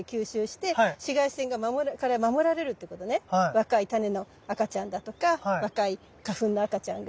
若いタネの赤ちゃんだとか若い花粉の赤ちゃんが。